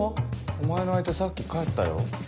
お前の相手さっき帰ったよ。